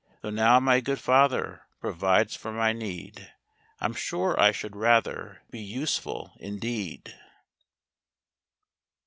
Tho' now my good father provides for my need, I'm sure I should rather be useful indeed.